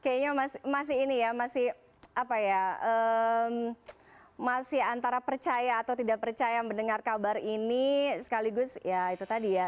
kayaknya masih ini ya masih apa ya masih antara percaya atau tidak percaya mendengar kabar ini sekaligus ya itu tadi ya